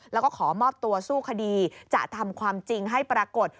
แล้วก็ขอมอบตัวสู้คดีจะทำความจริงให้ปรากฏ